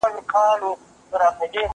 زه له سهاره واښه راوړم!.